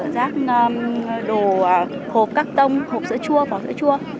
rác đồ hộp các tông hộp sữa chua vỏ sữa chua